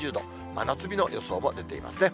真夏日の予想も出ていますね。